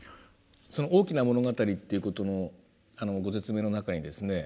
その大きな物語っていうことのご説明の中にですね